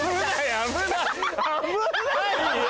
危ないよ！